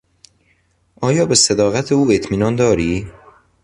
آیا به صداقت او اطمینان داری؟